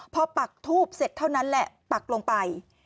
พอปักทูบเสร็จเท่านั้นแหละปักลงไป